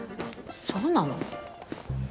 そうなの？